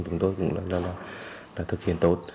chúng tôi cũng là thực hiện tốt